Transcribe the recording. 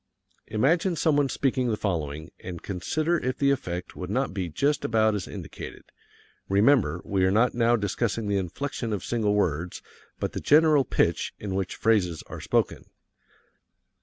Imagine someone speaking the following, and consider if the effect would not be just about as indicated. Remember, we are not now discussing the inflection of single words, but the general pitch in which phrases are spoken.